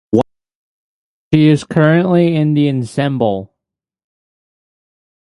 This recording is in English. She is currently in the Ensemble.